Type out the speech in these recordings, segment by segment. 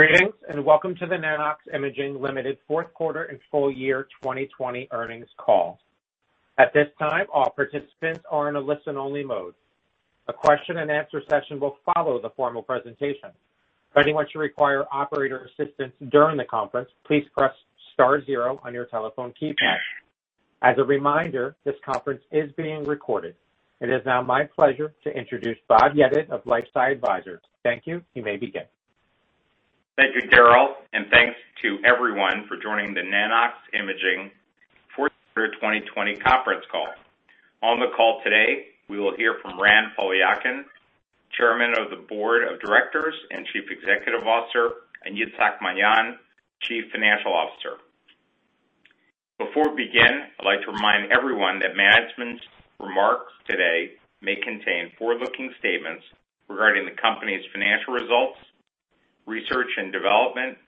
Greetings, and welcome to the Nano-X Imaging Ltd fourth quarter and full year 2020 earnings call. At this time, all participants are in a listen-only mode. A question and answer session will follow the formal presentation. For anyone to require operator assistance during the conference, please press star zero on your telephone keypad. As a reminder, this conference is being recorded. It is now my pleasure to introduce Bob Yedid of LifeSci Advisors. Thank you. You may begin. Thank you, Daryl, and thanks to everyone for joining the Nano-X Imaging fourth quarter 2020 conference call. On the call today, we will hear from Ran Poliakine, Chairman of the Board of Directors and Chief Executive Officer, and Itzhak Maayan, Chief Financial Officer. Before we begin, I'd like to remind everyone that management's remarks today may contain forward-looking statements regarding the company's financial results, research and development,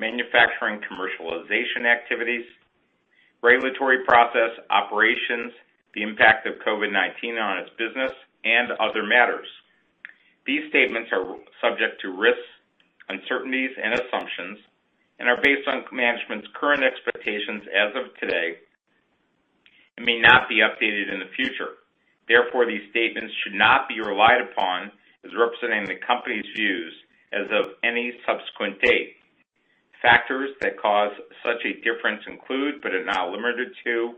manufacturing commercialization activities, regulatory process, operations, the impact of COVID-19 on its business, and other matters. These statements are subject to risks, uncertainties, and assumptions, and are based on management's current expectations as of today, and may not be updated in the future. Therefore, these statements should not be relied upon as representing the company's views as of any subsequent date. Factors that cause such a difference include, but are not limited to,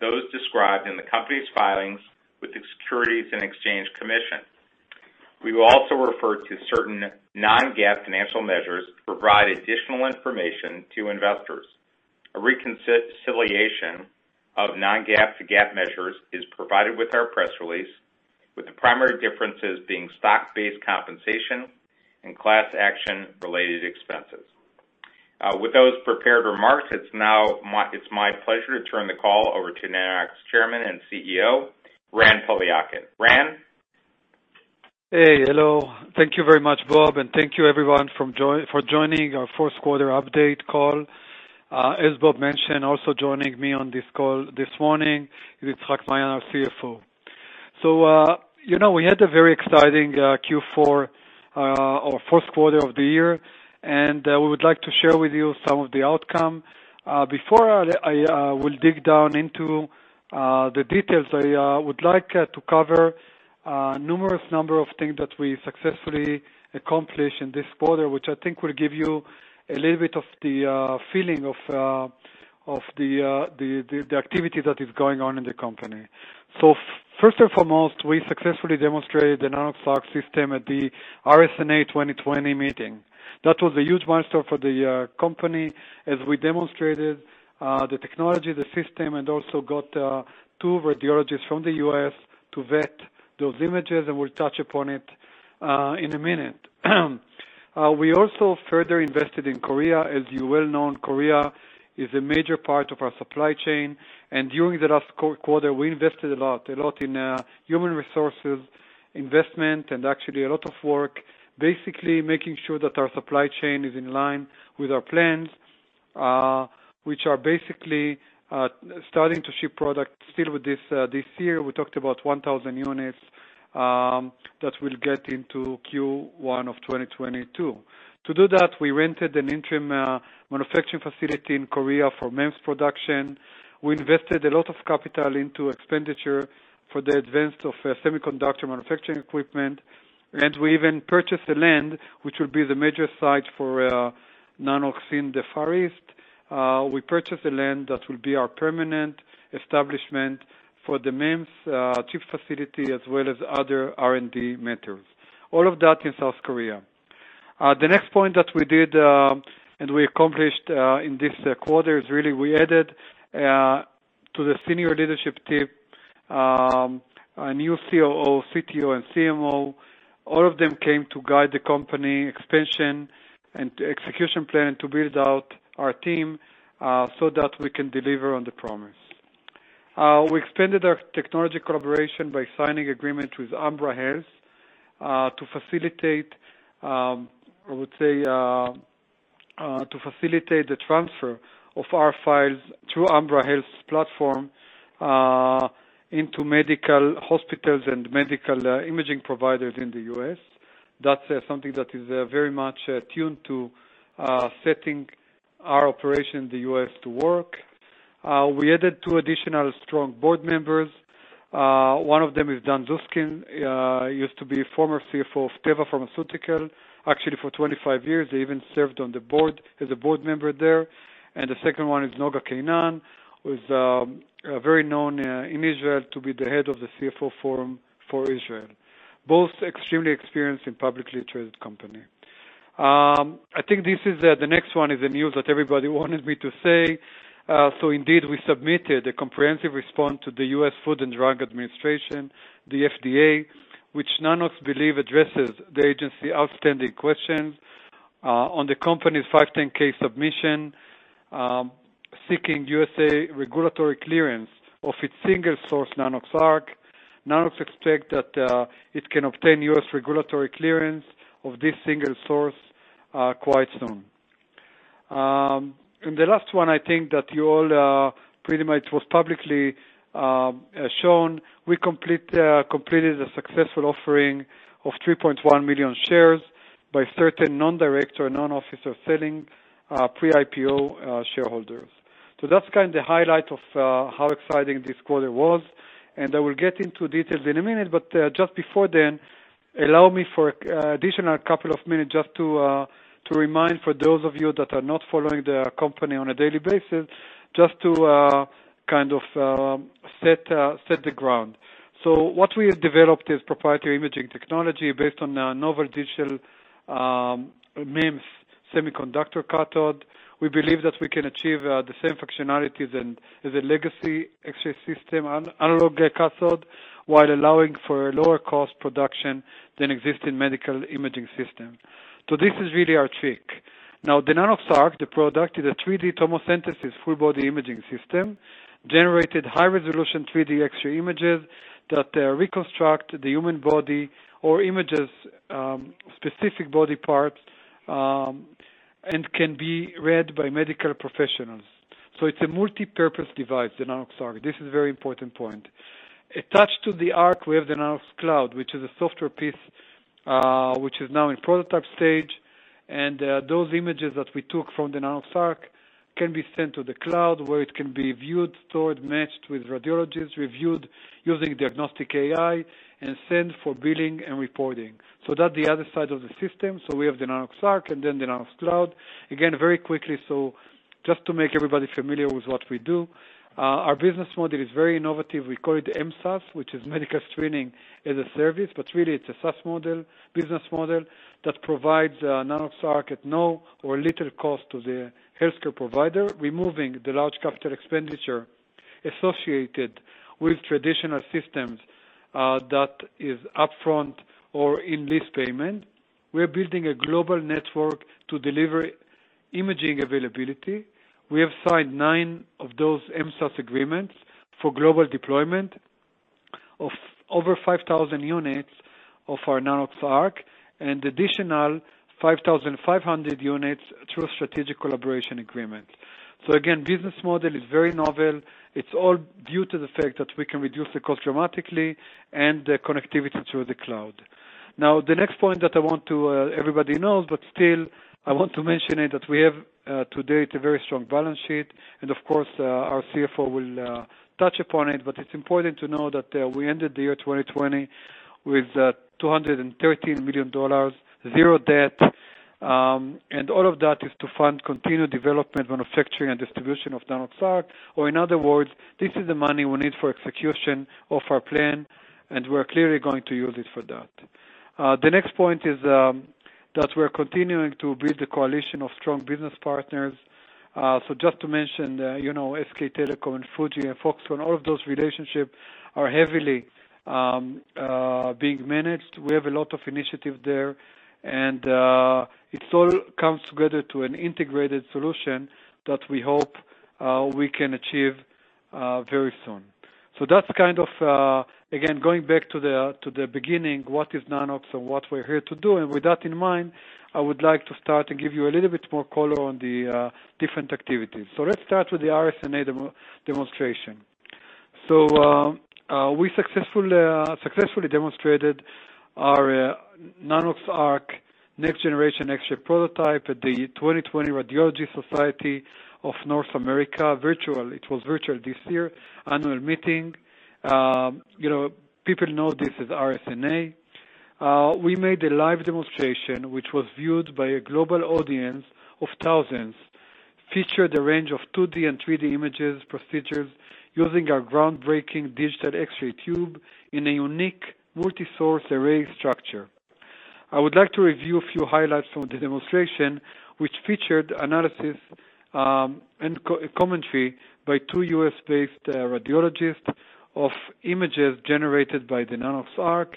those described in the company's filings with the Securities and Exchange Commission. We will also refer to certain non-GAAP financial measures to provide additional information to investors. A reconciliation of non-GAAP to GAAP measures is provided with our press release, with the primary differences being stock-based compensation and class action-related expenses. With those prepared remarks, it's my pleasure to turn the call over to Nano-X Chairman and CEO, Ran Poliakine. Ran? Hey. Hello. Thank you very much, Bob, and thank you everyone for joining our fourth quarter update call. As Bob mentioned, also joining me on this call this morning is Itzhak Maayan, our CFO. We had a very exciting Q4, our first quarter of the year, and we would like to share with you some of the outcome. Before I will dig down into the details, I would like to cover numerous number of things that we successfully accomplished in this quarter, which I think will give you a little bit of the feeling of the activity that is going on in the company. First and foremost, we successfully demonstrated the Nanox.ARC system at the RSNA 2020 meeting. That was a huge milestone for the company as we demonstrated the technology, the system, and also got two radiologists from the U.S. to vet those images. We'll touch upon it in a minute. We also further invested in Korea. As you well know, Korea is a major part of our supply chain. During the last quarter, we invested a lot in human resources investment and actually a lot of work, basically making sure that our supply chain is in line with our plans, which are basically starting to ship product still with this year. We talked about 1,000 units that we'll get into Q1 of 2022. To do that, we rented an interim manufacturing facility in Korea for MEMS production. We invested a lot of capital into expenditure for the advance of semiconductor manufacturing equipment, and we even purchased the land, which will be the major site for Nano-X in the Far East. We purchased the land that will be our permanent establishment for the MEMS chip facility as well as other R&D matters. All of that in South Korea. The next point that we did, and we accomplished, in this quarter is really we added to the senior leadership team, a new COO, CTO, and CMO. All of them came to guide the company expansion and execution plan to build out our team, so that we can deliver on the promise. We expanded our technology collaboration by signing agreement with Ambra Health to facilitate the transfer of our files through Ambra Health's platform into medical hospitals and medical imaging providers in the U.S. That's something that is very much attuned to setting our operation in the U.S. to work. We added two additional strong board members. One of them is Dan Suesskind, used to be former CFO of Teva Pharmaceutical. Actually, for 25 years, he even served as a board member there. The second one is Noga Kainan, who's very known in Israel to be the head of the CFO forum for Israel. Both extremely experienced in publicly traded company. I think the next one is the news that everybody wanted me to say. Indeed, we submitted a comprehensive response to the U.S. Food and Drug Administration, the FDA, which Nano-X believe addresses the agency outstanding questions on the company's 510(k) submission, seeking USA regulatory clearance of its single-source Nanox.ARC. Nano-X expect that it can obtain U.S. regulatory clearance of this single source quite soon. In the last one, I think that you all pretty much was publicly shown, we completed a successful offering of 3.1 million shares by certain non-director, non-officer selling pre-IPO shareholders. That's kind of the highlight of how exciting this quarter was, and I will get into details in a minute, but just before then, allow me for additional couple of minutes just to remind for those of you that are not following the company on a daily basis, just to set the ground. What we have developed is proprietary imaging technology based on a novel digital MEMS semiconductor cathode. We believe that we can achieve the same functionalities as a legacy X-ray system, analog cathode, while allowing for a lower cost production than existing medical imaging system. This is really our trick. The Nanox.ARC, the product, is a 3D tomosynthesis full body imaging system, generating high-resolution 3D X-ray images that reconstruct the human body or images of specific body parts, and can be read by medical professionals. It's a multipurpose device, the Nanox.ARC. This is a very important point. Attached to the ARC, we have the Nanox.CLOUD, which is a software piece, which is now in prototype stage. Those images that we took from the Nanox.ARC can be sent to the CLOUD where it can be viewed, stored, matched with radiologists, reviewed using diagnostic AI, and sent for billing and reporting. That's the other side of the system. We have the Nanox.ARC and then the Nanox.CLOUD. Again, very quickly, so just to make everybody familiar with what we do. Our business model is very innovative. We call it the MSaaS, which is Medical Screening as a Service, but really it's a SaaS model, business model, that provides Nanox.ARC at no or little cost to the healthcare provider, removing the large capital expenditure associated with traditional systems that is upfront or in lease payment. We're building a global network to deliver imaging availability. We have signed nine of those MSaaS agreements for global deployment of over 5,000 units of our Nanox.ARC and additional 5,500 units through a strategic collaboration agreement. Again, business model is very novel. It's all due to the fact that we can reduce the cost dramatically and the connectivity through the cloud. The next point that everybody knows, but still, I want to mention it, that we have today a very strong balance sheet, and of course, our CFO will touch upon it. It's important to know that we ended the year 2020 with $213 million, zero debt. All of that is to fund continued development, manufacturing, and distribution of Nanox.ARC, or in other words, this is the money we need for execution of our plan, and we're clearly going to use it for that. The next point is that we're continuing to build a coalition of strong business partners. Just to mention, SK Telecom and Fuji and Foxconn, all of those relationships are heavily being managed. We have a lot of initiatives there, and it all comes together to an integrated solution that we hope we can achieve very soon. That's kind of, again, going back to the beginning, what is Nano-X and what we're here to do? With that in mind, I would like to start to give you a little bit more color on the different activities. Let's start with the RSNA demonstration. We successfully demonstrated our Nanox.ARC next-generation X-ray prototype at the 2020 Radiological Society of North America virtual, it was virtual this year, annual meeting. People know this as RSNA. We made a live demonstration, which was viewed by a global audience of thousands, featured a range of 2D and 3D images, procedures, using our groundbreaking digital X-ray tube in a unique multi-source array structure. I would like to review a few highlights from the demonstration, which featured analysis and commentary by two U.S.-based radiologists of images generated by the Nanox.ARC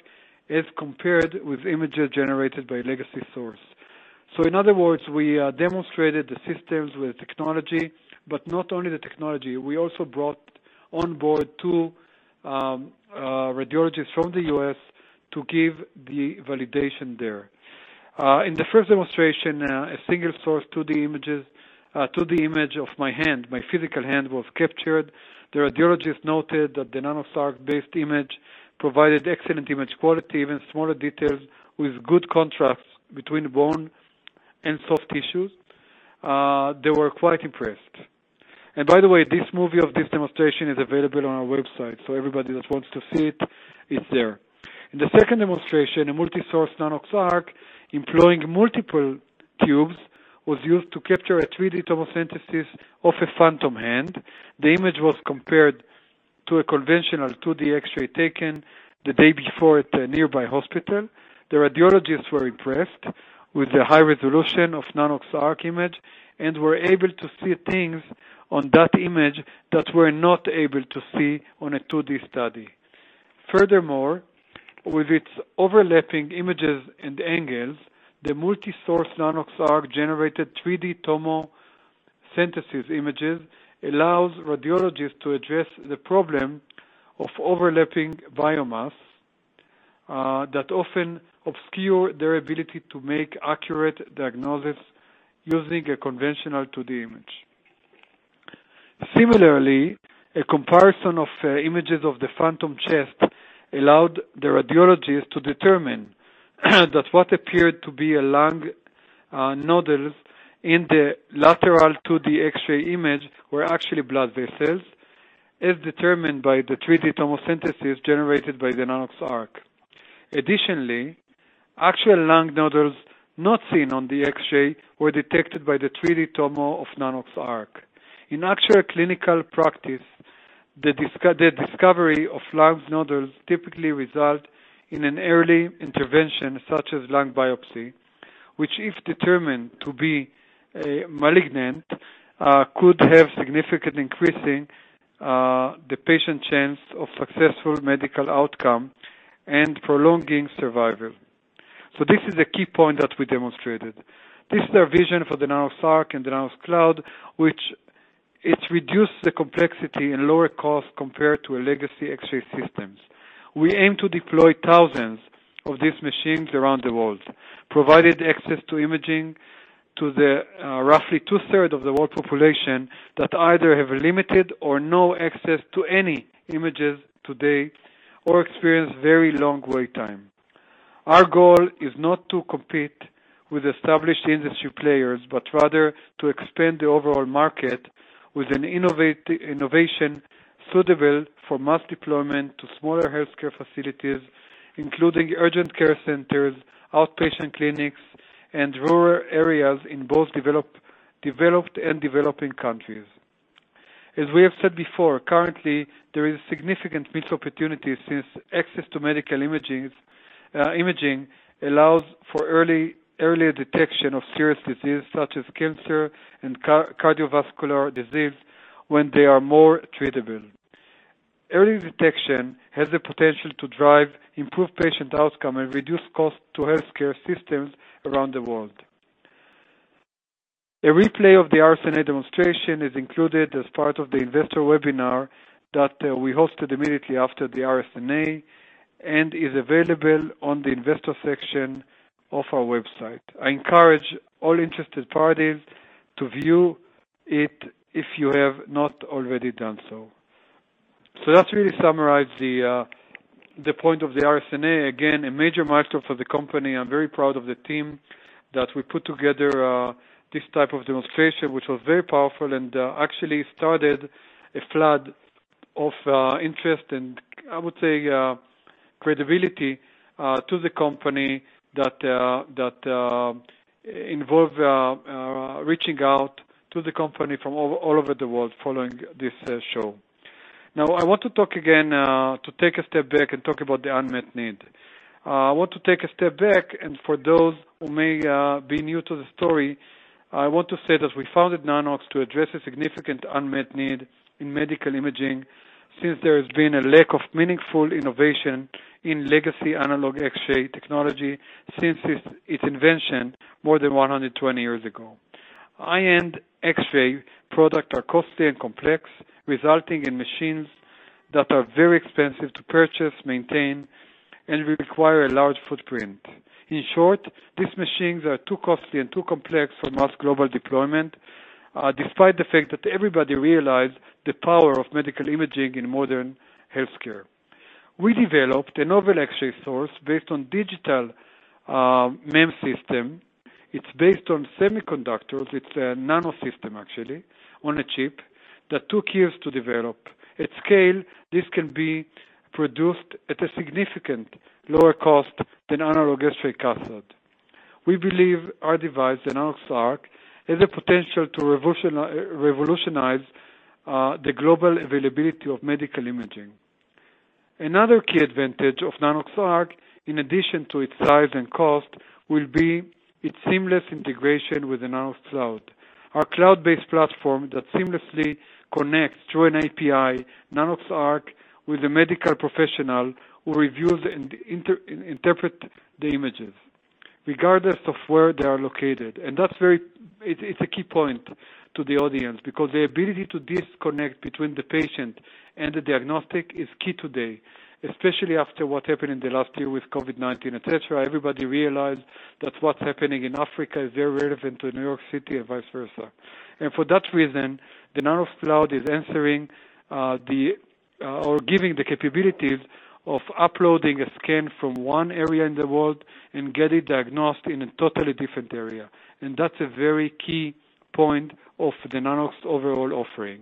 as compared with images generated by legacy source. In other words, we demonstrated the systems with technology, but not only the technology, we also brought on board two radiologists from the U.S. to give the validation there. In the first demonstration, a single-source 2D image of my hand, my physical hand, was captured. The radiologist noted that the Nanox.ARC-based image provided excellent image quality, even smaller details, with good contrast between bone and soft tissues. They were quite impressed. By the way, this movie of this demonstration is available on our website. Everybody that wants to see it's there. In the second demonstration, a multi-source Nanox.ARC employing multiple tubes was used to capture a 3D tomosynthesis of a phantom hand. The image was compared to a conventional 2D X-ray taken the day before at a nearby hospital. The radiologists were impressed with the high resolution of Nanox.ARC image and were able to see things on that image that were not able to see on a 2D study. Furthermore, with its overlapping images and angles, the multi-source Nanox.ARC generated 3D tomosynthesis images, allows radiologists to address the problem of overlapping bone mass. That often obscure their ability to make accurate diagnosis using a conventional 2D image. Similarly, a comparison of images of the phantom chest allowed the radiologist to determine that what appeared to be lung nodules in the lateral 2D X-ray image were actually blood vessels, as determined by the 3D tomosynthesis generated by the Nanox.ARC. Additionally, actual lung nodules not seen on the X-ray were detected by the 3D tomo of Nanox.ARC. In actual clinical practice, the discovery of lung nodules typically result in an early intervention, such as lung biopsy, which, if determined to be malignant, could have significant increasing the patient's chance of successful medical outcome and prolonging survival. This is a key point that we demonstrated. This is our vision for the Nanox.ARC and the Nanox.CLOUD, which it reduce the complexity and lower cost compared to legacy X-ray systems. We aim to deploy thousands of these machines around the world, providing access to imaging to the roughly 2/3 Of the world population that either have limited or no access to any images today or experience very long wait time. Our goal is not to compete with established industry players, but rather to expand the overall market with an innovation suitable for mass deployment to smaller healthcare facilities, including urgent care centers, outpatient clinics, and rural areas in both developed and developing countries. As we have said before, currently, there is significant missed opportunities since access to medical imaging allows for earlier detection of serious disease such as cancer and cardiovascular disease when they are more treatable. Early detection has the potential to drive improved patient outcome and reduce cost to healthcare systems around the world. A replay of the RSNA demonstration is included as part of the investor webinar that we hosted immediately after the RSNA and is available on the investor section of our website. I encourage all interested parties to view it if you have not already done so. That really summarize the point of the RSNA. Again, a major milestone for the company. I'm very proud of the team, that we put together this type of demonstration, which was very powerful and actually started a flood of interest, and I would say credibility to the company that involve reaching out to the company from all over the world following this show. I want to take a step back and talk about the unmet need. I want to take a step back, and for those who may be new to the story, I want to say that we founded Nano-X to address a significant unmet need in medical imaging, since there has been a lack of meaningful innovation in legacy analog X-ray technology since its invention more than 120 years ago. High-end X-ray product are costly and complex, resulting in machines that are very expensive to purchase, maintain, and require a large footprint. In short, these machines are too costly and too complex for mass global deployment, despite the fact that everybody realize the power of medical imaging in modern healthcare. We developed a novel X-ray source based on digital MEMS system. It's based on semiconductors. It's a nano system, actually, on a chip that took years to develop. At scale, this can be produced at a significant lower cost than analog X-ray cathode. We believe our device, the Nanox.ARC, has the potential to revolutionize the global availability of medical imaging. Another key advantage of Nanox.ARC, in addition to its size and cost, will be its seamless integration with the Nanox.CLOUD, our cloud-based platform that seamlessly connects through an API, Nanox.ARC, with the medical professional who reviews and interpret the images regardless of where they are located. It's a key point to the audience because the ability to disconnect between the patient and the diagnostic is key today, especially after what happened in the last year with COVID-19, et cetera. Everybody realized that what's happening in Africa is very relevant to New York City and vice versa. For that reason, the Nanox.CLOUD is answering or giving the capabilities of uploading a scan from one area in the world and get it diagnosed in a totally different area. That's a very key point of the Nano-X overall offering.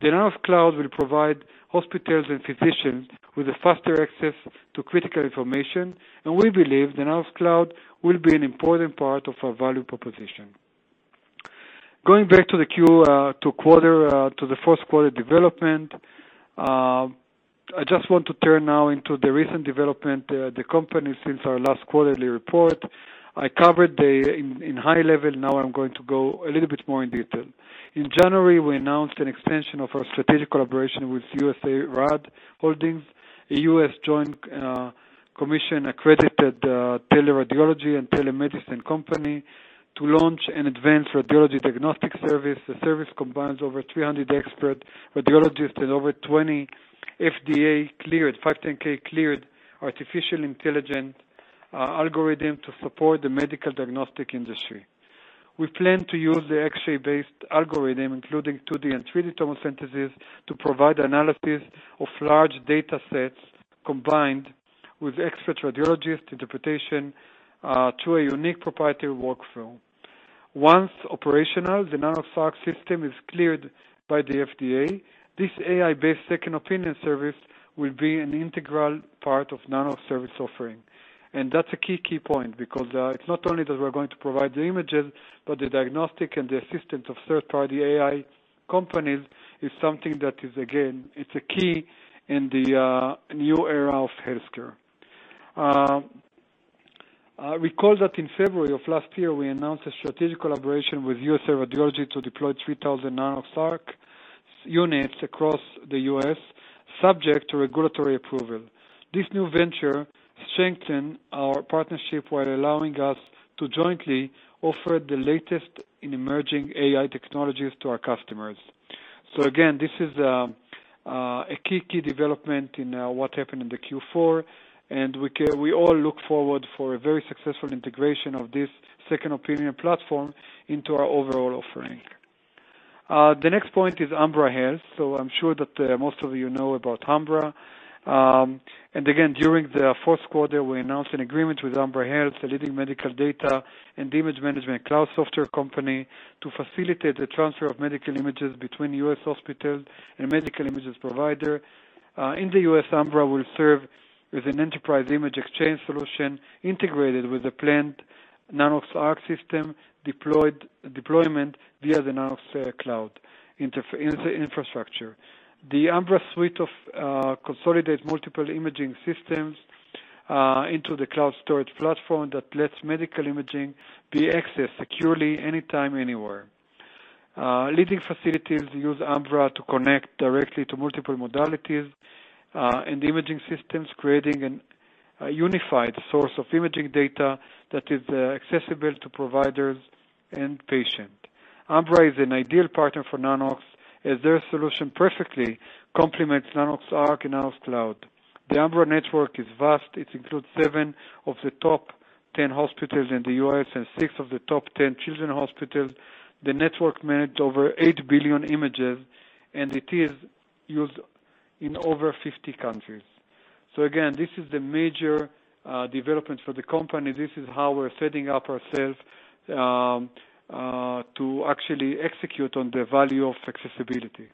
The Nanox.CLOUD will provide hospitals and physicians with a faster access to critical information, and we believe the Nanox.CLOUD will be an important part of our value proposition. Going back to the first quarter development, I just want to turn now into the recent development the company since our last quarterly report. I covered in high level. Now, I'm going to go a little bit more in detail. In January, we announced an expansion of our strategic collaboration with USARAD Holdings, a The Joint Commission accredited teleradiology and telemedicine company to launch an advanced radiology diagnostic service. The service combines over 300 expert radiologists and over 20 FDA cleared, 510(k) cleared artificial intelligence algorithms to support the medical diagnostic industry. We plan to use the X-ray-based algorithm, including 2D and 3D tomosynthesis, to provide analysis of large data sets combined with expert radiologist interpretation, through a unique proprietary workflow. Once operational, the Nanox.ARC system is cleared by the FDA. This AI-based second opinion service will be an integral part of Nano-X service offering. That's a key point, because it's not only that we're going to provide the images, but the diagnostic and the assistance of third-party AI companies is something that is, again, it's a key in the new era of healthcare. Recall that in February of last year, we announced a strategic collaboration with USARAD to deploy 3,000 Nanox.ARC units across the U.S., subject to regulatory approval. This new venture strengthened our partnership while allowing us to jointly offer the latest in emerging AI technologies to our customers. Again, this is a key development in what happened in the Q4, and we all look forward for a very successful integration of this second opinion platform into our overall offering. The next point is Ambra Health. I'm sure that most of you know about Ambra. Again, during the fourth quarter, we announced an agreement with Ambra Health, a leading medical data and image management cloud software company, to facilitate the transfer of medical images between U.S. hospitals and medical images provider. In the U.S., Ambra will serve as an enterprise image exchange solution integrated with the planned Nanox.ARC system deployment via the Nanox.CLOUD infrastructure. The Ambra suite consolidates multiple imaging systems into the cloud storage platform that lets medical imaging be accessed securely anytime, anywhere. Leading facilities use Ambra to connect directly to multiple modalities and imaging systems, creating a unified source of imaging data that is accessible to providers and patients. Ambra is an ideal partner for Nano-X, as their solution perfectly complements Nanox.ARC and Nanox.CLOUD. The Ambra network is vast. It includes seven of the top 10 hospitals in the U.S. and six of the top 10 children hospitals. The network managed over 8 billion images, it is used in over 50 countries. Again, this is the major development for the company. This is how we're setting up ourselves, to actually execute on the value of accessibility.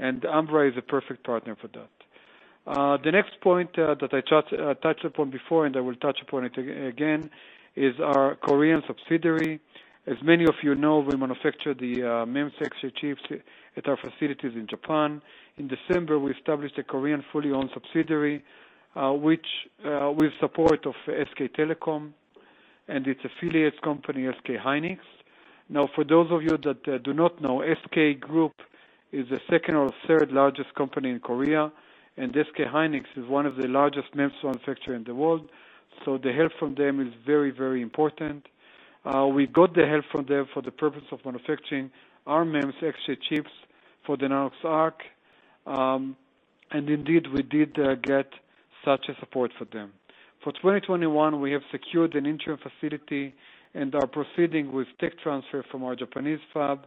Ambra is a perfect partner for that. The next point that I touched upon before, and I will touch upon it again, is our Korean subsidiary. As many of you know, we manufacture the MEMS X-ray chips at our facilities in Japan. In December, we established a Korean fully-owned subsidiary, with support of SK Telecom and its affiliates company, SK hynix. For those of you that do not know, SK Group is the second or third largest company in Korea, and SK hynix is one of the largest MEMS manufacturer in the world. The help from them is very important. We got the help from them for the purpose of manufacturing our MEMS X-ray chips for the Nanox.ARC. Indeed, we did get such support for them. For 2021, we have secured an interim facility and are proceeding with tech transfer from our Japanese fab,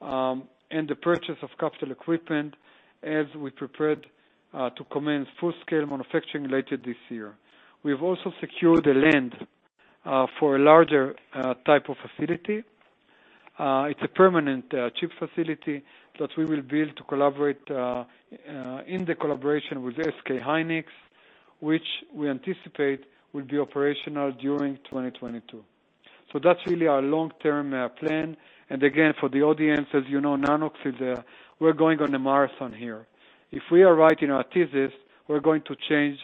and the purchase of capital equipment as we prepared to commence full-scale manufacturing later this year. We have also secured the land for a larger type of facility. It's a permanent chip facility that we will build in the collaboration with SK hynix, which we anticipate will be operational during 2022. That's really our long-term plan. Again, for the audience, as you know, Nano-X, we're going on a marathon here. If we are right in our thesis, we're going to change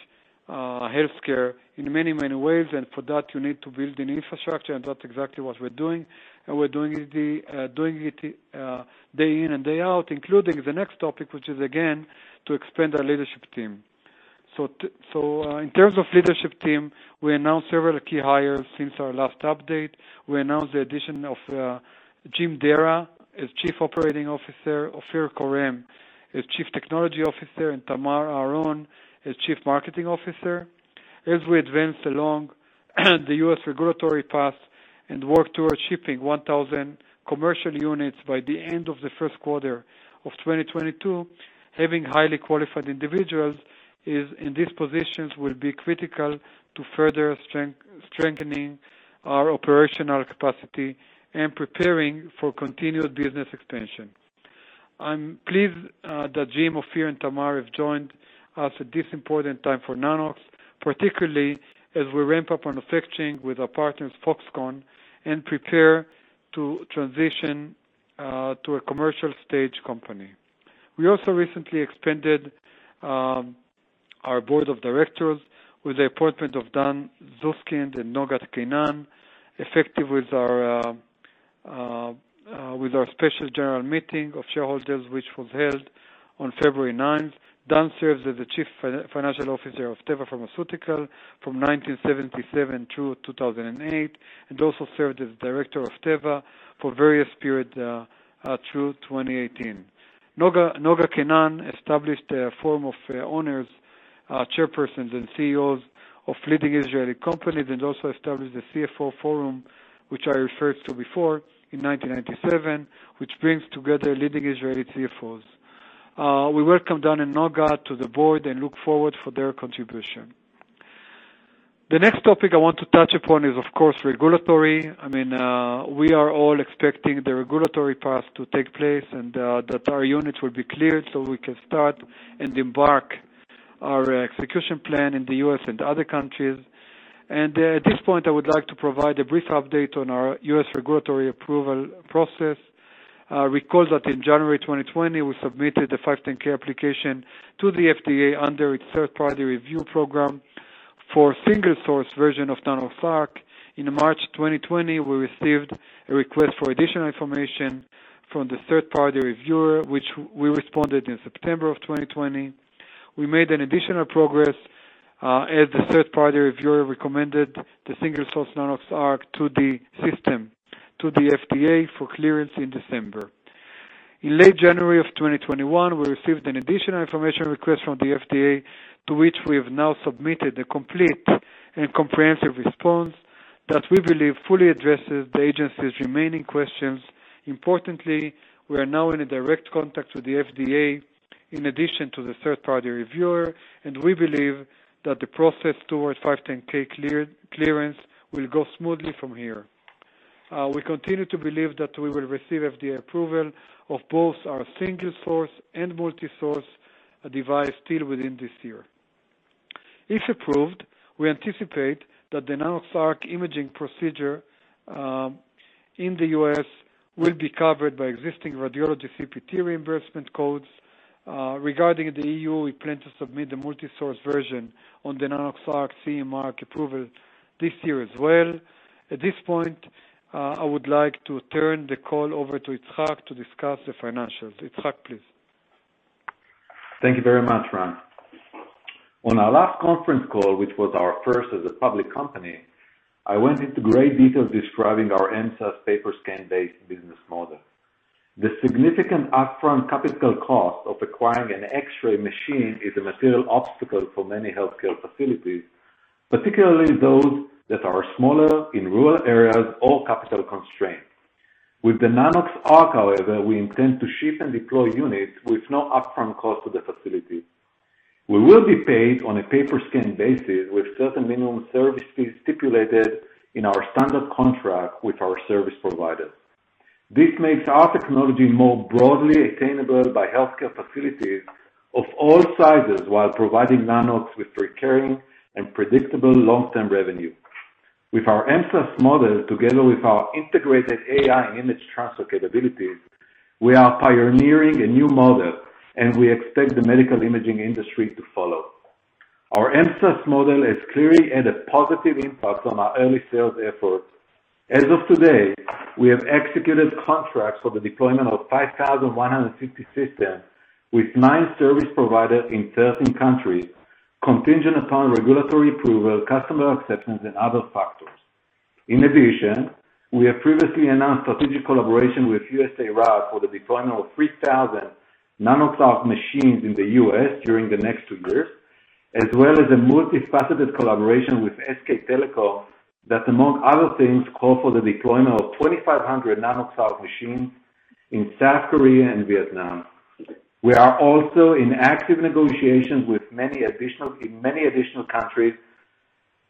healthcare in many ways, and for that, you need to build an infrastructure, and that's exactly what we're doing. We're doing it day in and day out, including the next topic, which is again, to expand our leadership team. In terms of leadership team, we announced several key hires since our last update. We announced the addition of Jim Dara as Chief Operating Officer, Ofir Koren as Chief Technology Officer, and Tamar Aharon as Chief Marketing Officer. As we advance along the U.S. regulatory path and work towards shipping 1,000 commercial units by the end of the first quarter of 2022, having highly qualified individuals in these positions will be critical to further strengthening our operational capacity and preparing for continued business expansion. I'm pleased that Jim, Ofir, and Tamar have joined us at this important time for Nano-X, particularly as we ramp up on affecting with our partners Foxconn and prepare to transition to a commercial stage company. We also recently expanded our board of directors with the appointment of Dan Zusman and Noga Kainan, effective with our special general meeting of shareholders, which was held on February 9th. Dan serves as the Chief Financial Officer of Teva Pharmaceutical from 1977 through 2008, and also served as Director of Teva for various periods through 2018. Noga Kainan established a forum of owners, chairpersons, and CEOs of leading Israeli companies, and also established the CFO forum, which I referred to before, in 1997, which brings together leading Israeli CFOs. We welcome Dan and Noga to the board and look forward for their contribution. The next topic I want to touch upon is, of course, regulatory. We are all expecting the regulatory path to take place and that our units will be cleared so we can start and embark our execution plan in the U.S. and other countries. At this point, I would like to provide a brief update on our U.S. regulatory approval process. Recall that in January 2020, we submitted the 510(k) application to the FDA under its third-party review program for single-source version of Nanox.ARC. In March 2020, we received a request for additional information from the third-party reviewer, which we responded in September of 2020. We made an additional progress, as the third-party reviewer recommended the single source Nanox.ARC to the system, to the FDA for clearance in December. In late January of 2021, we received an additional information request from the FDA, to which we have now submitted a complete and comprehensive response that we believe fully addresses the agency's remaining questions. Importantly, we are now in direct contact with the FDA, in addition to the third-party reviewer, we believe that the process towards 510(k) clearance will go smoothly from here. We continue to believe that we will receive FDA approval of both our single source and multi-source device still within this year. If approved, we anticipate that the Nanox.ARC imaging procedure in the U.S. will be covered by existing radiology CPT reimbursement codes. Regarding the EU, we plan to submit the multi-source version on the Nanox.ARC CE mark approval this year as well. At this point, I would like to turn the call over to Itzhak to discuss the financials. Itzhak, please. Thank you very much, Ran. On our last conference call, which was our first as a public company, I went into great detail describing our MSaaS pay-per-scan-based business model. The significant upfront capital cost of acquiring an X-ray machine is a material obstacle for many healthcare facilities, particularly those that are smaller, in rural areas, or capital constrained. With the Nanox.ARC, however, we intend to ship and deploy units with no upfront cost to the facility. We will be paid on a pay-per-scan basis with certain minimum service fees stipulated in our standard contract with our service providers. This makes our technology more broadly attainable by healthcare facilities of all sizes while providing Nano-X with recurring and predictable long-term revenue. With our MSaaS model, together with our integrated AI and image transfer capabilities, we are pioneering a new model, and we expect the medical imaging industry to follow. Our MSaaS model has clearly had a positive impact on our early sales efforts. As of today, we have executed contracts for the deployment of 5,150 systems with nine service providers in 13 countries, contingent upon regulatory approval, customer acceptance, and other factors. In addition, we have previously announced strategic collaboration with USARAD for the deployment of 3,000 Nanox.ARC machines in the U.S. during the next two years, as well as a multi-faceted collaboration with SK Telecom that, among other things, call for the deployment of 2,500 Nanox.ARC machines in South Korea and Vietnam. We are also in active negotiations in many additional countries,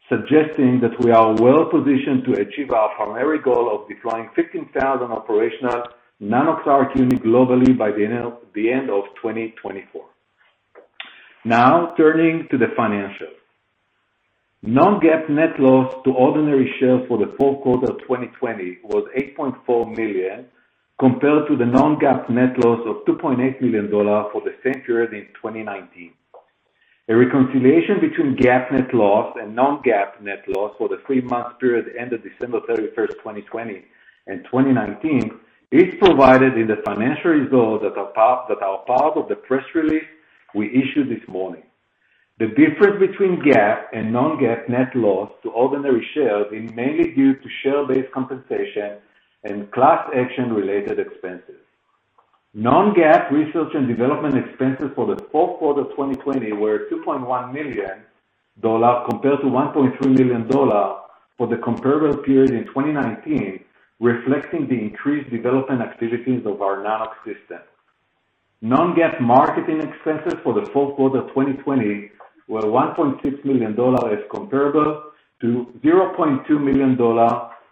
suggesting that we are well positioned to achieve our primary goal of deploying 15,000 operational Nanox.ARC units globally by the end of 2024. Now, turning to the financials. Non-GAAP net loss to ordinary shares for the fourth quarter of 2020 was $8.4 million, compared to the non-GAAP net loss of $2.8 million for the same period in 2019. A reconciliation between GAAP net loss and non-GAAP net loss for the three-month period ended December 31st, 2020, and 2019, is provided in the financial results that are part of the press release we issued this morning. The difference between GAAP and non-GAAP net loss to ordinary shares is mainly due to share-based compensation and class action related expenses. Non-GAAP research and development expenses for the fourth quarter 2020 were $2.1 million compared to $1.3 million for the comparable period in 2019, reflecting the increased development activities of our Nano-X system. Non-GAAP marketing expenses for the fourth quarter 2020 were $1.6 million as comparable to $0.2 million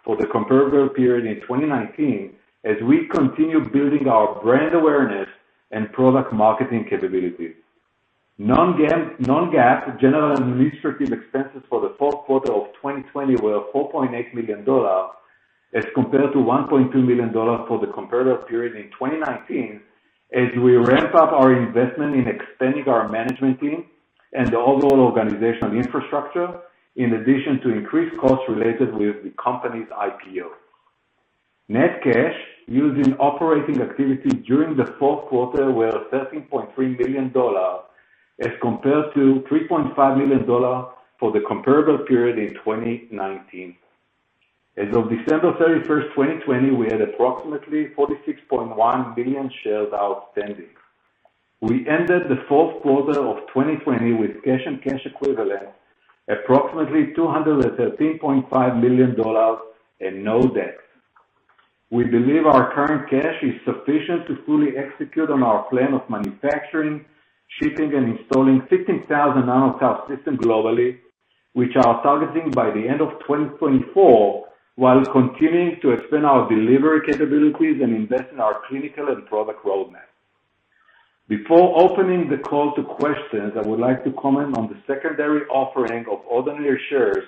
for the comparable period in 2019, as we continue building our brand awareness and product marketing capabilities. Non-GAAP general and administrative expenses for the fourth quarter of 2020 were $4.8 million as compared to $1.2 million for the comparable period in 2019, as we ramp up our investment in expanding our management team and the overall organizational infrastructure, in addition to increased costs related to the company's IPO. Net cash using operating activities during the fourth quarter were $13.3 million as compared to $3.5 million for the comparable period in 2019. As of December 31st, 2020, we had approximately 46.1 million shares outstanding. We ended the fourth quarter of 2020 with cash and cash equivalents, approximately $213.5 million and no debt. We believe our current cash is sufficient to fully execute on our plan of manufacturing, shipping, and installing 15,000 Nanox.ARC system globally, which are targeting by the end of 2024, while continuing to expand our delivery capabilities and invest in our clinical and product roadmap. Before opening the call to questions, I would like to comment on the secondary offering of ordinary shares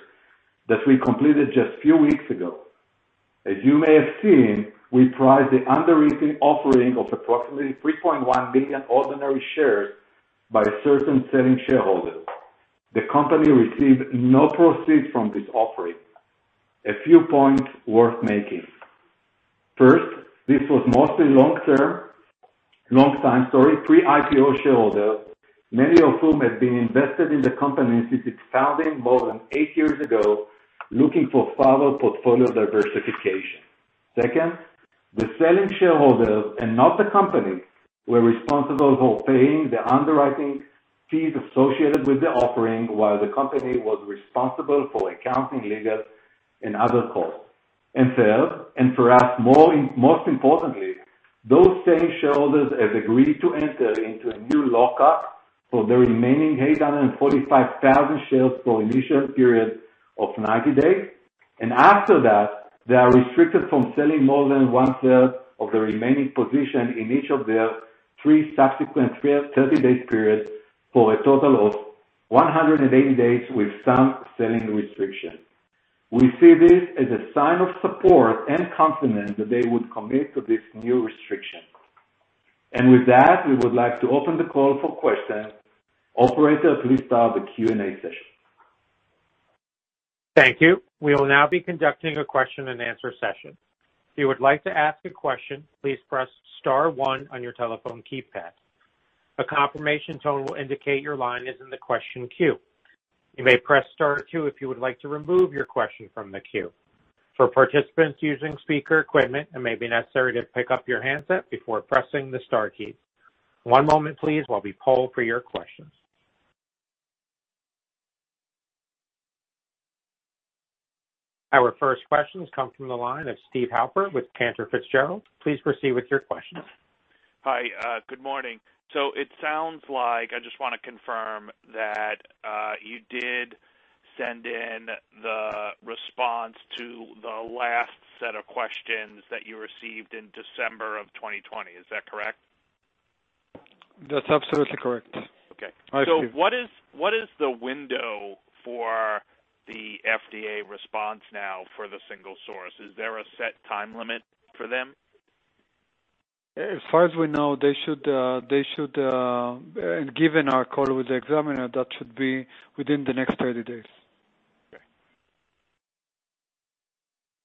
that we completed just a few weeks ago. As you may have seen, we priced the underwriting offering of approximately 3.1 million ordinary shares by certain selling shareholders. The company received no proceeds from this offering. A few points worth making. First, this was mostly long time, pre-IPO shareholders, many of whom have been invested in the company since its founding more than eight years ago, looking for further portfolio diversification. Second, the selling shareholders and not the company were responsible for paying the underwriting fees associated with the offering while the company was responsible for accounting, legal, and other costs. Third, and for us, most importantly, those same shareholders have agreed to enter into a new lock-up for the remaining 845,000 shares for an initial period of 90 days. After that, they are restricted from selling more than one-third of the remaining position in each of their three subsequent 30-day periods for a total of 180 days with some selling restrictions. We see this as a sign of support and confidence that they would commit to this new restriction. With that, we would like to open the call for questions. Operator, please start the Q&A session. Thank you. We will now be conducting a question and answer session. If you would like to ask a question, please press star one on your telephone keypad. A confirmation tone will indicate your line is in the question queue. You may press star two if you would like to remove your question from the queue. For participants using speaker equipment, it may be necessary to pick up your handset before pressing the star key. One moment, please, while we poll for your questions. Our first questions come from the line of Steve Halper with Cantor Fitzgerald. Please proceed with your questions. Hi. Good morning. It sounds like, I just want to confirm, that you did send in the response to the last set of questions that you received in December of 2020. Is that correct? That's absolutely correct. Okay. I see. What is the window for the FDA response now for the single source? Is there a set time limit for them? As far as we know, given our call with the examiner, that should be within the next 30 days. Okay.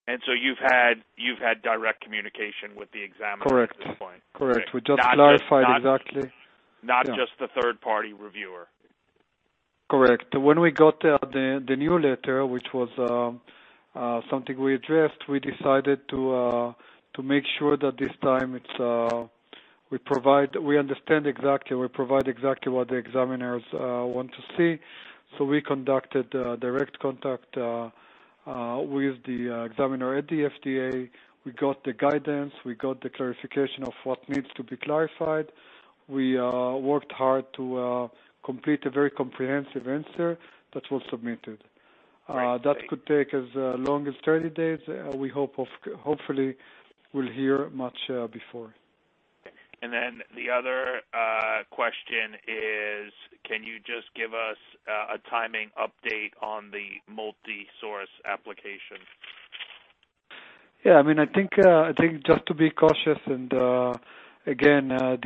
You've had direct communication with the examiner? Correct. At this point. Correct. We just clarified exactly. Not just the third-party reviewer. Correct. When we got the new letter, which was something we addressed, we decided to make sure that this time, we understand exactly, we provide exactly what the examiners want to see. We conducted direct contact with the examiner at the FDA. We got the guidance. We got the clarification of what needs to be clarified. We worked hard to complete a very comprehensive answer that was submitted. Great. That could take as long as 30 days. Hopefully, we'll hear much before. The other question is, can you just give us a timing update on the multi-source application? I think just to be cautious, and again, given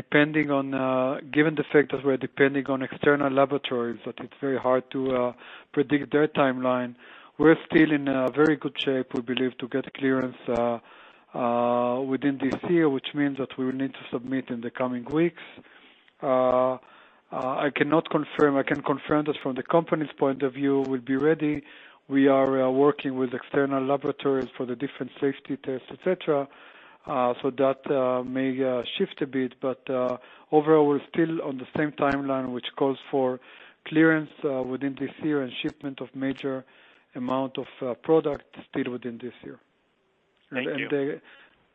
the fact that we're depending on external laboratories, that it's very hard to predict their timeline. We're still in very good shape, we believe, to get clearance within this year, which means that we will need to submit in the coming weeks. I cannot confirm. I can confirm that from the company's point of view, we'll be ready. We are working with external laboratories for the different safety tests, et cetera, so that may shift a bit. Overall, we're still on the same timeline, which calls for clearance within this year and shipment of major amount of product still within this year. Thank you.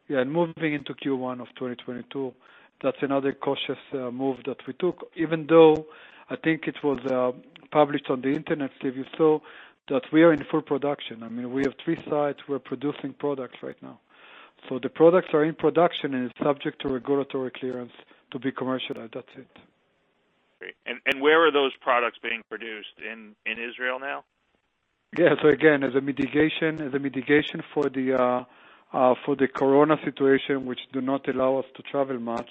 Yeah. Moving into Q1 of 2022, that's another cautious move that we took, even though I think it was published on the Internet, Steve, you saw that we are in full production. We have three sites. We're producing products right now. The products are in production, and it's subject to regulatory clearance to be commercialized. That's it. Great. Where are those products being produced? In Israel now? Yeah. Again, as a mitigation for the Corona situation, which do not allow us to travel much,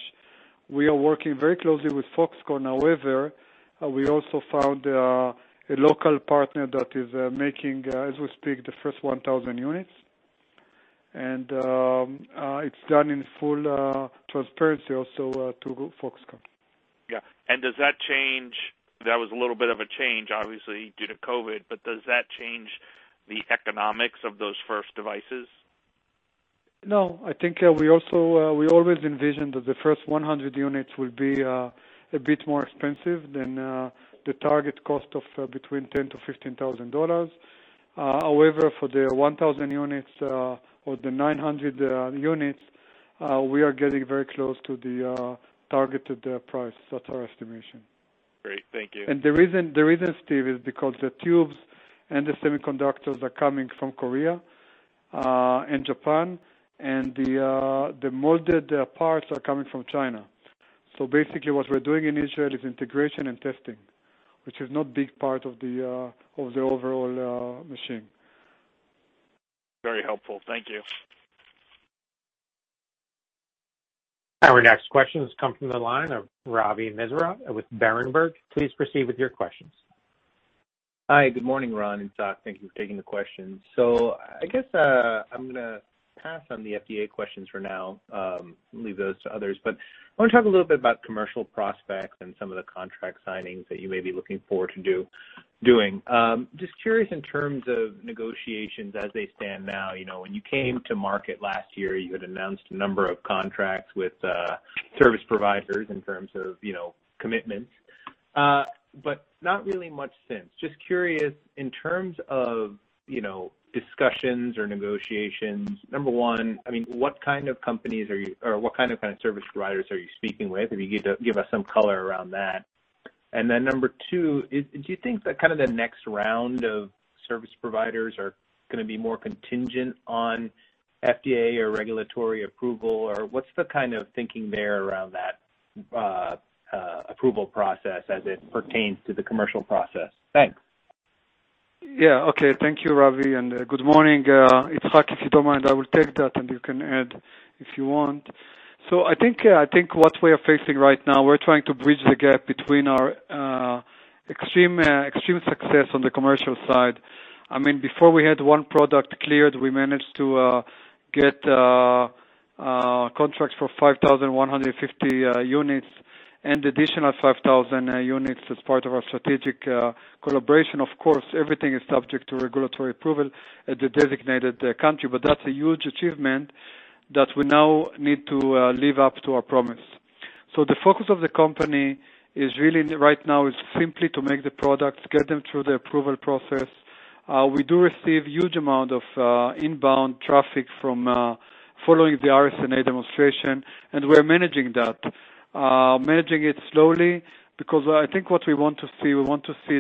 we are working very closely with Foxconn. However, we also found a local partner that is making, as we speak, the first 1,000 units, and it's done in full transparency also to Foxconn. Yeah. That was a little bit of a change, obviously, due to COVID, but does that change the economics of those first devices? No, I think we always envisioned that the first 100 units will be a bit more expensive than the target cost of between $10,000-$15,000. For the 1,000 units or the 900 units, we are getting very close to the targeted price. That's our estimation. Great. Thank you. The reason, Steve, is because the tubes and the semiconductors are coming from Korea and Japan, and the molded parts are coming from China. Basically, what we're doing in Israel is integration and testing, which is not big part of the overall machine. Very helpful. Thank you. Our next question has come from the line of Ravi Misra with Berenberg. Please proceed with your questions. Hi, good morning, Ran and Itzhak. Thank you for taking the questions. I guess, I'm going to pass on the FDA questions for now. Leave those to others, but I want to talk a little bit about commercial prospects and some of the contract signings that you may be looking forward to doing. Just curious in terms of negotiations as they stand now. When you came to market last year, you had announced a number of contracts with service providers in terms of commitments, but not really much since. Just curious in terms of discussions or negotiations, number one, what kind of service providers are you speaking with? If you could give us some color around that. Number two, do you think that the next round of service providers are going to be more contingent on FDA or regulatory approval, or what's the thinking there around that approval process as it pertains to the commercial process? Thanks. Yeah. Okay. Thank you, Ravi. Good morning. Itzhak, if you don't mind, I will take that. You can add if you want. I think what we are facing right now, we're trying to bridge the gap between our extreme success on the commercial side. Before we had one product cleared, we managed to get contracts for 5,150 units and additional 5,000 units as part of our strategic collaboration. Of course, everything is subject to regulatory approval at the designated country. That's a huge achievement that we now need to live up to our promise. The focus of the company right now is simply to make the products, get them through the approval process. We do receive huge amount of inbound traffic following the RSNA demonstration. We're managing that. Managing it slowly because I think what we want to see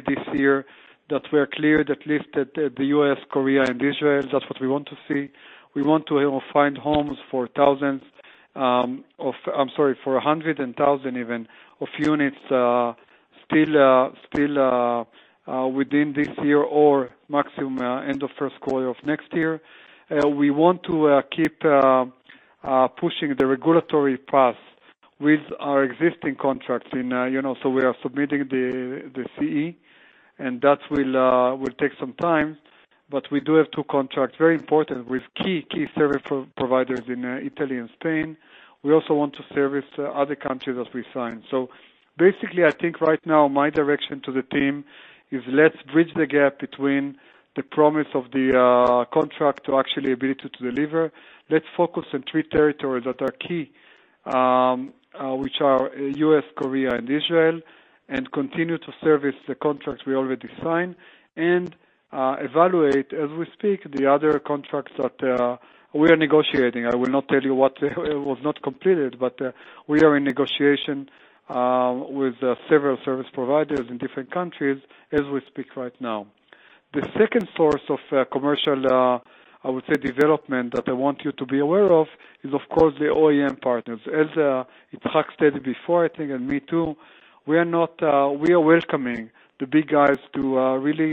this year, that we're cleared, at least at the U.S., Korea, and Israel. That's what we want to see. We want to find homes for hundreds and thousand even of units still within this year or maximum end of first quarter of next year. We want to keep pushing the regulatory path with our existing contracts. We are submitting the CE, and that will take some time, but we do have two contracts, very important, with key service providers in Italy and Spain. We also want to service other countries that we sign. Basically, I think right now, my direction to the team is let's bridge the gap between the promise of the contract to actually ability to deliver. Let's focus on three territories that are key, which are U.S., Korea, and Israel, and continue to service the contracts we already signed, and evaluate, as we speak, the other contracts that we are negotiating. I will not tell you what was not completed, but we are in negotiation with several service providers in different countries as we speak right now. The second source of commercial, I would say, development that I want you to be aware of is, of course, the OEM partners. As Itzhak stated before, I think, and me too, we are welcoming the big guys to really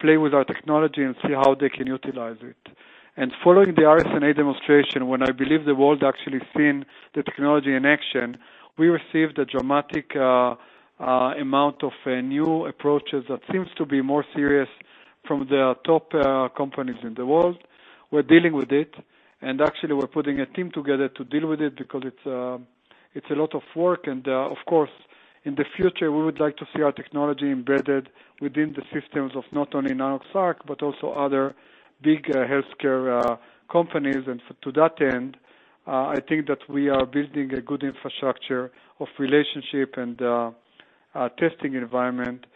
play with our technology and see how they can utilize it. Following the RSNA demonstration, when I believe the world actually seen the technology in action, we received a dramatic amount of new approaches that seems to be more serious from the top companies in the world. We're dealing with it, and actually, we're putting a team together to deal with it because it's a lot of work, and of course, in the future, we would like to see our technology embedded within the systems of not only Nanox.ARC, but also other big healthcare companies. To that end, I think that we are building a good infrastructure of relationship and testing environment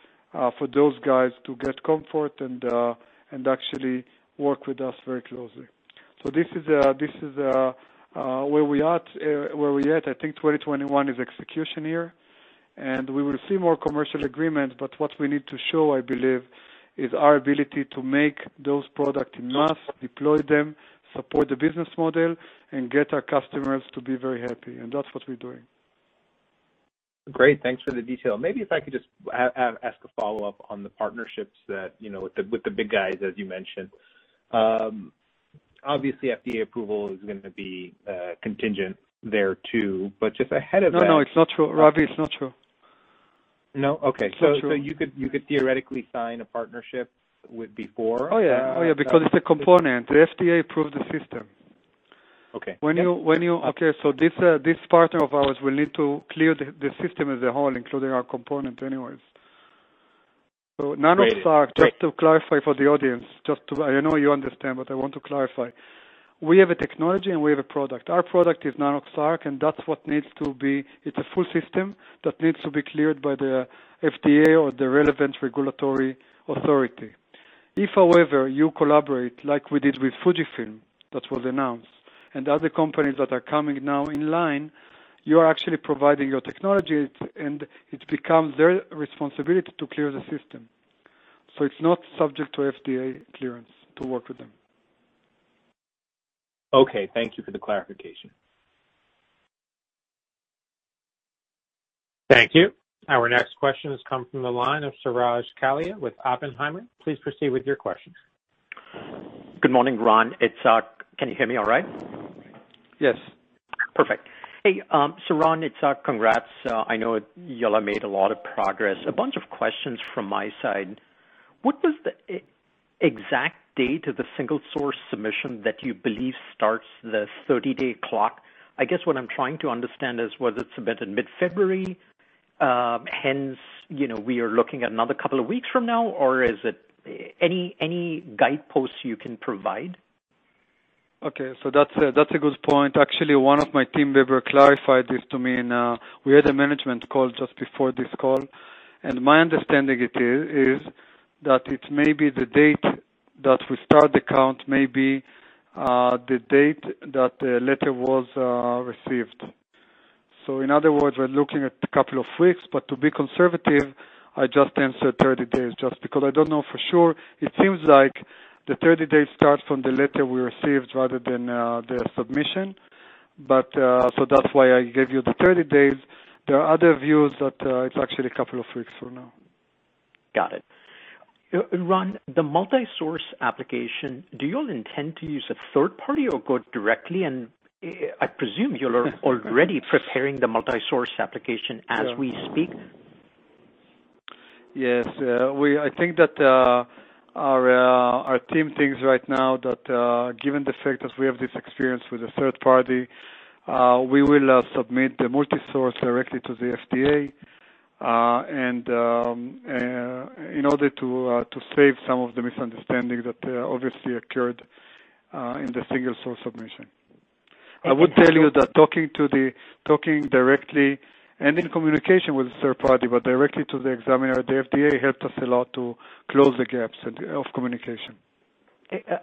for those guys to get comfort and actually work with us very closely. This is where we at. I think 2021 is execution year, and we will see more commercial agreements, but what we need to show, I believe, is our ability to make those product in mass, deploy them, support the business model, and get our customers to be very happy, and that's what we're doing. Great. Thanks for the detail. If I could just ask a follow-up on the partnerships with the big guys, as you mentioned. FDA approval is going to be contingent there too, but just ahead of that. No, it's not true, Ravi. It's not true. No? Okay. It's not true. You could theoretically sign a partnership before? Oh, yeah. Because it's a component. The FDA approved the system. Okay. This partner of ours will need to clear the system as a whole, including our component, anyways. Nanox.ARC, just to clarify for the audience, I know you understand, but I want to clarify. We have a technology and we have a product. Our product is Nanox.ARC, and it's a full system that needs to be cleared by the FDA or the relevant regulatory authority. If, however, you collaborate as we did with Fujifilm, that was announced, and other companies that are coming now in line, you are actually providing your technology, and it becomes their responsibility to clear the system. It's not subject to FDA clearance to work with them. Okay. Thank you for the clarification. Thank you. Our next question has come from the line of Suraj Kalia with Oppenheimer. Please proceed with your questions. Good morning, Ran, Itzhak. Can you hear me all right? Yes. Perfect. Hey, Ran, Itzhak, congrats. I know you all have made a lot of progress. A bunch of questions from my side. What was the exact date of the single-source submission that you believe starts the 30-day clock? I guess what I'm trying to understand is whether it's a bit in mid-February, hence, we are looking at another couple of weeks from now, or any guideposts you can provide? Okay. That's a good point. Actually, one of my team members clarified this to me in we had a management call just before this call, and my understanding is that the date that we start the count may be the date that the letter was received. In other words, we're looking at a couple of weeks. To be conservative, I just answered 30 days just because I don't know for sure. It seems like the 30 days starts from the letter we received rather than the submission. That's why I gave you the 30 days. There are other views that it's actually a couple of weeks from now. Got it. Ran, the multi-source application, do you all intend to use a third party or go directly? I presume you're already preparing the multi-source application as we speak. I think that our team thinks right now that given the fact that we have this experience with a third party, we will submit the multi-source directly to the FDA in order to save some of the misunderstanding that obviously occurred in the single-source submission. I would tell you that talking directly and in communication with the third party, but directly to the examiner at the FDA, helped us a lot to close the gaps of communication.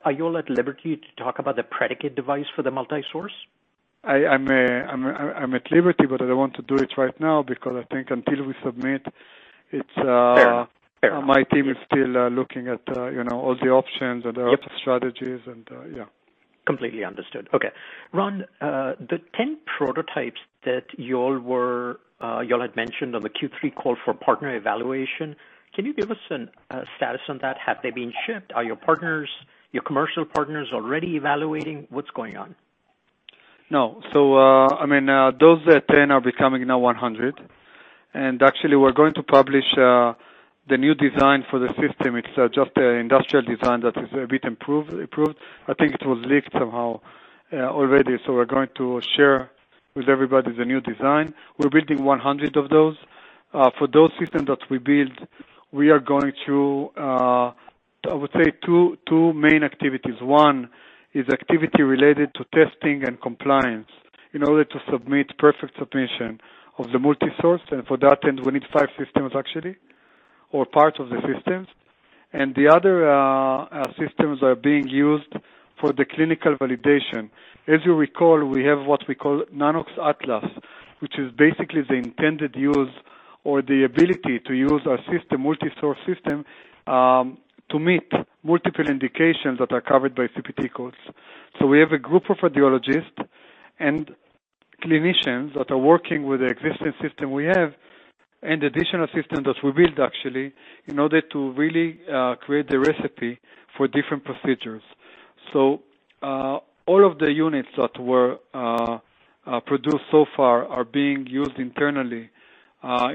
Are you all at liberty to talk about the predicate device for the multi-source? I'm at liberty, but I don't want to do it right now, because I think until we submit- Fair. My team is still looking at all the options and the strategies. Yeah. Completely understood. Okay. Ran, the 10 prototypes that you all had mentioned on the Q3 call for partner evaluation, can you give us a status on that? Have they been shipped? Are your commercial partners already evaluating? What's going on? No. Those 10 are becoming now 100. We're going to publish the new design for the system. It's just the industrial design that is a bit improved. I think it was leaked somehow already. We're going to share with everybody the new design. We're building 100 of those. For those systems that we build, we are going to two main activities. One is activity related to testing and compliance in order to submit perfect submission of the multi-source. For that end, we need five systems actually, or parts of the systems. The other systems are being used for the clinical validation. As you recall, we have what we call Nanox Atlas, which is basically the intended use or the ability to use our multi-source system, to meet multiple indications that are covered by CPT codes. We have a group of radiologists and clinicians that are working with the existing system we have, and additional systems that we build actually, in order to really create the recipe for different procedures. All of the units that were produced so far are being used internally,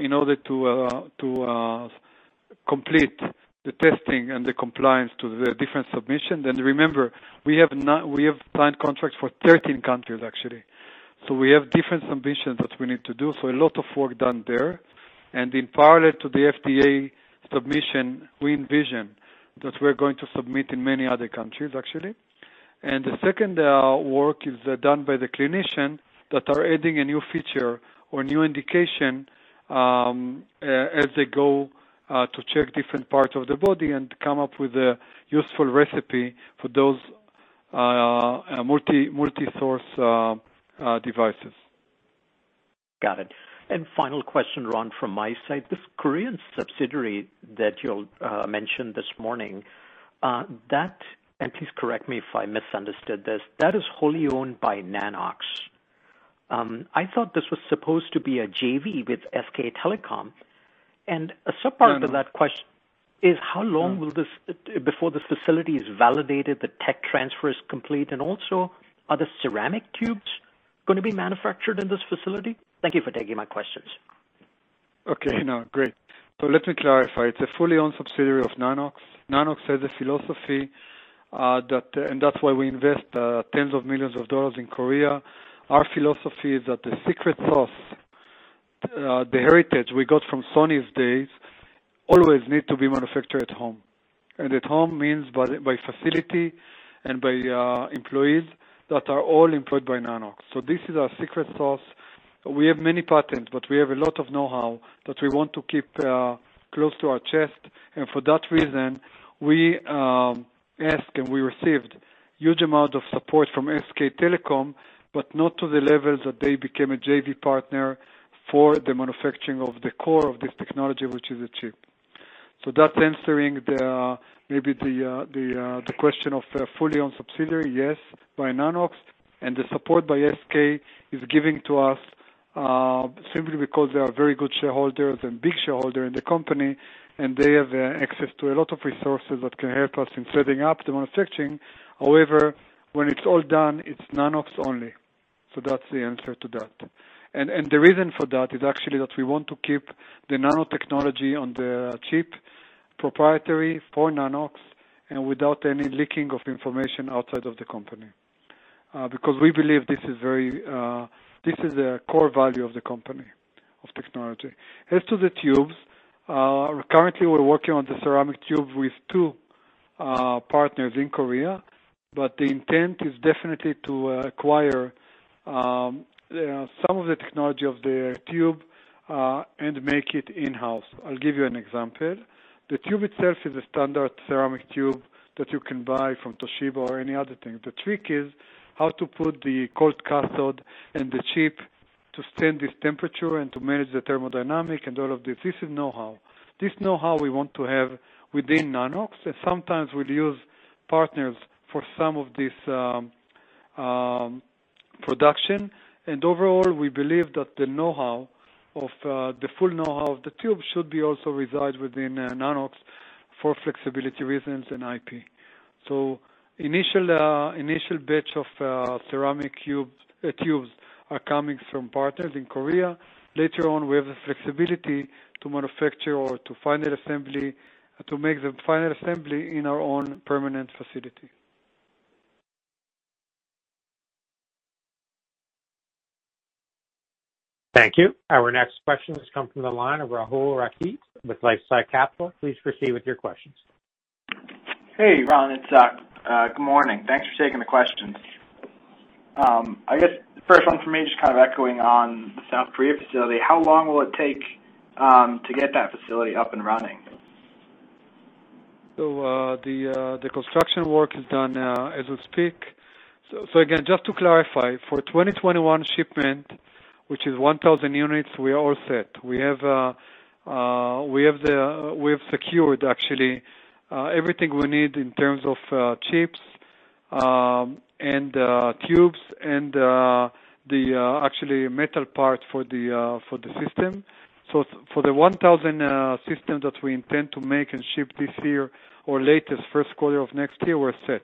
in order to complete the testing and the compliance to the different submissions. Remember, we have signed contracts for 13 countries, actually. We have different submissions that we need to do. A lot of work done there. In parallel to the FDA submission, we envision that we're going to submit in many other countries, actually. The second work is done by the clinicians that are adding a new feature or new indication, as they go to check different parts of the body and come up with a useful recipe for those multi-source devices. Got it. Final question, Ran, from my side. This Korean subsidiary that you all mentioned this morning. That, and please correct me if I misunderstood this, that is wholly owned by Nano-X. I thought this was supposed to be a JV with SK Telecom. A sub-part of that question is how long before this facility is validated, the tech transfer is complete, and also are the ceramic tubes going to be manufactured in this facility? Thank you for taking my questions. Okay. No, great. Let me clarify. It's a fully owned subsidiary of Nano-X. Nano-X has a philosophy, and that's why we invest tens of millions of dollars in Korea. Our philosophy is that the secret sauce, the heritage we got from Sony's days, always need to be manufactured at home. At home means by facility and by employees that are all employed by Nano-X. This is our secret sauce. We have many patents, but we have a lot of know-how that we want to keep close to our chest. For that reason, we ask, and we received huge amount of support from SK Telecom, but not to the level that they became a JV partner for the manufacturing of the core of this technology, which is a chip. That's answering maybe the question of fully owned subsidiary. Yes, by Nano-X. The support by SK is giving to us simply because they are very good shareholders and big shareholder in the company. They have access to a lot of resources that can help us in setting up the manufacturing. However, when it's all done, it's Nano-X only. That's the answer to that. The reason for that is actually that we want to keep the nanotechnology on the chip proprietary for Nano-X and without any leaking of information outside of the company, because we believe this is a core value of the company, of technology. As to the tubes, currently we're working on the ceramic tube with two partners in Korea. The intent is definitely to acquire some of the technology of the tube, and make it in-house. I'll give you an example. The tube itself is a standard ceramic tube that you can buy from Toshiba or any other thing. The trick is how to put the cold cathode and the chip to stand this temperature and to manage the thermodynamic and all of this. This is know-how. This know-how we want to have within Nano-X, and sometimes we'll use partners for some of this production. Overall, we believe that the full know-how of the tube should also reside within Nano-X for flexibility reasons and IP. Initial batch of ceramic tubes are coming from partners in Korea. Later on, we have the flexibility to manufacture or to make the final assembly in our own permanent facility. Thank you. Our next question has come from the line of Rahul Rakhit with LifeSci Capital. Please proceed with your questions. Hey, Ran, it's Zach. Good morning. Thanks for taking the questions. I guess the first one for me, just kind of echoing on the South Korea facility. How long will it take to get that facility up and running? The construction work is done now as we speak. Again, just to clarify, for 2021 shipment, which is 1,000 units, we are all set. We have secured actually everything we need in terms of chips and tubes and the actually metal part for the system. For the 1,000 systems that we intend to make and ship this year or latest first quarter of next year, we're set.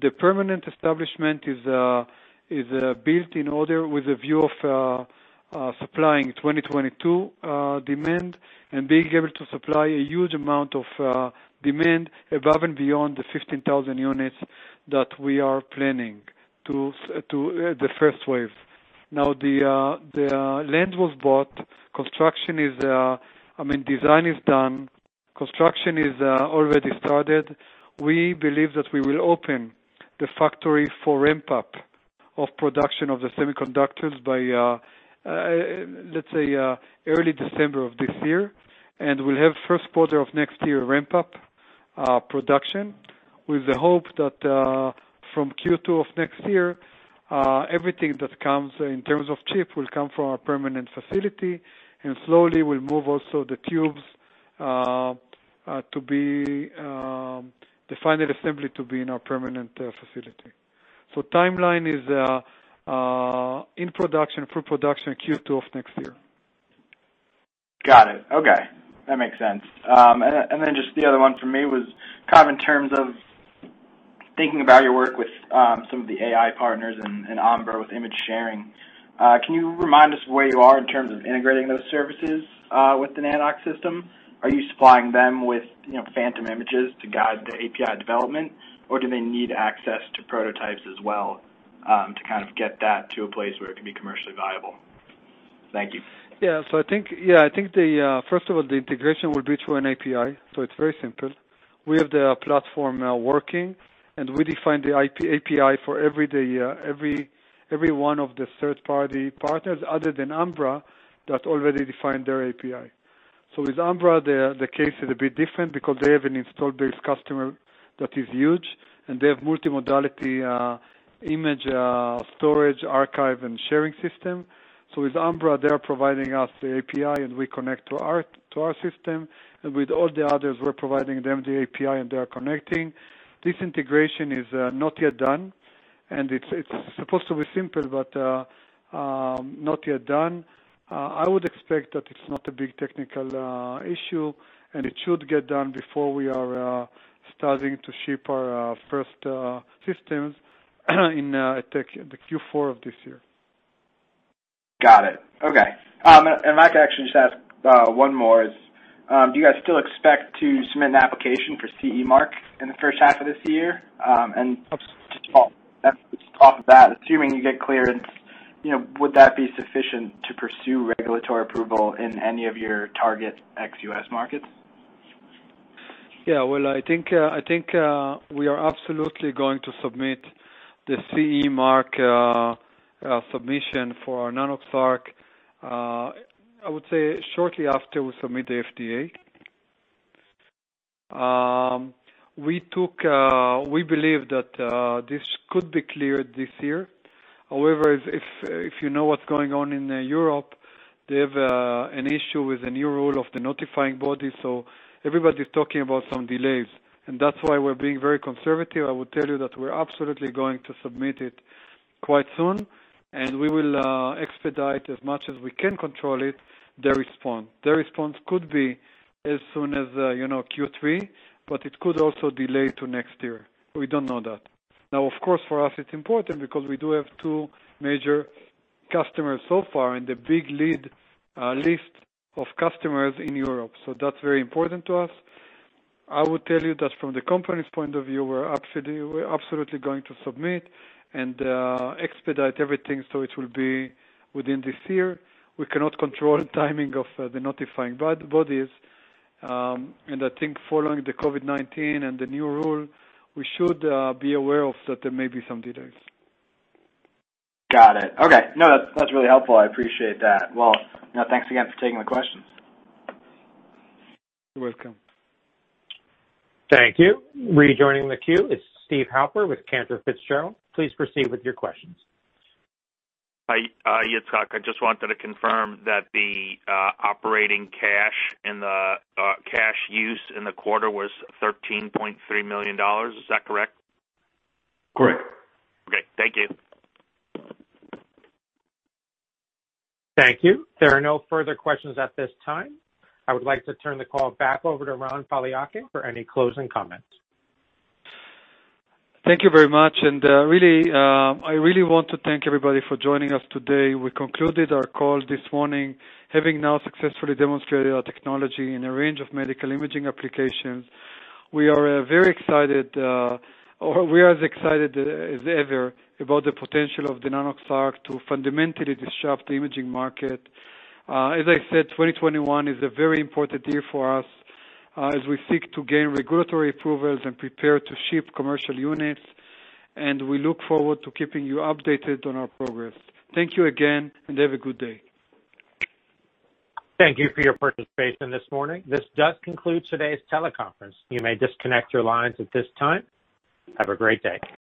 The permanent establishment is built in order with a view of supplying 2022 demand and being able to supply a huge amount of demand above and beyond the 15,000 units that we are planning to the first wave. The land was bought. Design is done. Construction is already started. We believe that we will open the factory for ramp-up of production of the semiconductors by, let's say, early December of this year, and we'll have first quarter of next year ramp-up production with the hope that from Q2 of next year, everything that comes in terms of chip will come from our permanent facility, and slowly we'll move also the tubes, the final assembly to be in our permanent facility. Timeline is in production for production Q2 of next year. Got it. Okay. That makes sense. Just the other one for me was kind of in terms of thinking about your work with some of the AI partners and Ambra with image sharing. Can you remind us where you are in terms of integrating those services with the Nano-X system? Are you supplying them with phantom images to guide the API development, or do they need access to prototypes as well, to kind of get that to a place where it can be commercially viable? Thank you. Yeah. I think, first of all, the integration will be through an API, so it's very simple. We have the platform now working, and we define the API for every one of the third-party partners other than Ambra, that already defined their API. With Ambra, the case is a bit different because they have an installed base customer that is huge, and they have multimodality image storage, archive, and sharing system. With Ambra, they're providing us the API, and we connect to our system. With all the others, we're providing them the API, and they're connecting. This integration is not yet done. It's supposed to be simple, but not yet done. I would expect that it's not a big technical issue, and it should get done before we are starting to ship our first systems in the Q4 of this year. Got it. Okay. If I could actually just ask one more is, do you guys still expect to submit an application for CE mark in the first half of this year? Just off of that, assuming you get clearance, would that be sufficient to pursue regulatory approval in any of your target ex-U.S. markets? Yeah, well, I think we are absolutely going to submit the CE mark submission for our Nanox.ARC, I would say shortly after we submit to FDA. We believe that this could be cleared this year. If you know what's going on in Europe, they have an issue with the new rule of the notified body, everybody's talking about some delays. That's why we're being very conservative. I would tell you that we're absolutely going to submit it quite soon, and we will expedite as much as we can control it, their response. Their response could be as soon as Q3, but it could also delay to next year. We don't know that. Of course, for us, it's important because we do have two major customers so far in the big list of customers in Europe, so that's very important to us. I would tell you that from the company's point of view, we're absolutely going to submit and expedite everything so it will be within this year. We cannot control timing of the notified bodies. I think following the COVID-19 and the new rule, we should be aware of that there may be some delays. Got it. Okay. No, that's really helpful. I appreciate that. Well, thanks again for taking the questions. You're welcome. Thank you. Rejoining the queue is Steve Halper with Cantor Fitzgerald. Please proceed with your questions. Hi, Itzhak. I just wanted to confirm that the operating cash and the cash use in the quarter was $13.3 million. Is that correct? Correct. Okay. Thank you. Thank you. There are no further questions at this time. I would like to turn the call back over to Ran Poliakine for any closing comments. Thank you very much. I really want to thank everybody for joining us today. We concluded our call this morning, having now successfully demonstrated our technology in a range of medical imaging applications. We are very excited, or we are as excited as ever about the potential of the Nanox.ARC to fundamentally disrupt the imaging market. As I said, 2021 is a very important year for us as we seek to gain regulatory approvals and prepare to ship commercial units, and we look forward to keeping you updated on our progress. Thank you again, and have a good day. Thank you for your participation this morning. This does conclude today's teleconference. You may disconnect your lines at this time. Have a great day.